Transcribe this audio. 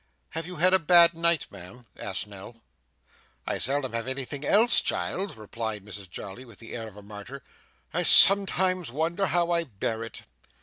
'Have you had a bad night, ma'am?' asked Nell. 'I seldom have anything else, child,' replied Mrs Jarley, with the air of a martyr. 'I sometimes wonder how I bear it.